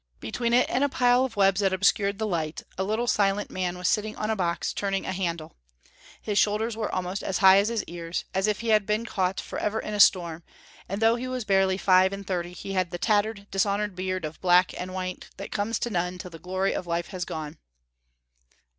Between it and a pile of webs that obscured the light a little silent man was sitting on a box turning a handle. His shoulders were almost as high as his ears, as if he had been caught forever in a storm, and though he was barely five and thirty, he had the tattered, dishonored beard of black and white that comes to none till the glory of life has gone.